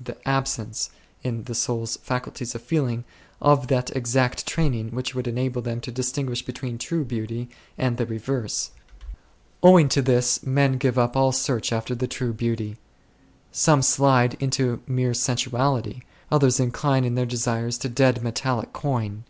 the absence, in the soul's faculties of feeling, of that exact training which would enable them to distinguish between true Beauty and the reverse. Owing to this men give up all search after the true Beauty. Some slide into mere sensuality. Others incline in their desires to dead metallic coin.